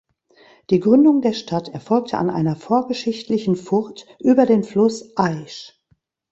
Die Gründung der Stadt erfolgte an einer vorgeschichtlichen Furt über den Fluss Aisch.